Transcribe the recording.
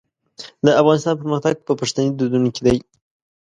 د افغانستان پرمختګ په پښتني دودونو کې دی.